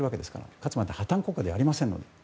かつ、また破綻国家ではありませんので。